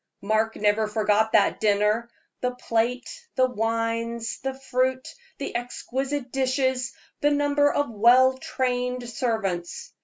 Mark never forgot that dinner the plate, the wines, the fruit, the exquisite dishes, the number of well trained servants.